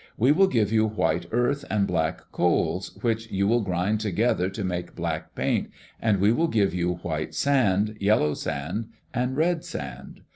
We will give you white earth and black coals which you will grind together to make black paint, and we will give you white sand, yellow sand, and red sand.